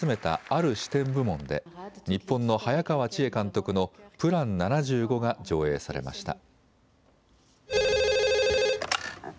ある視点部門で日本の早川千絵監督のＰＬＡＮ７５が上映されました。